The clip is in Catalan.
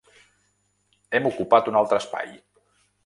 Hem ocupat un altre espai!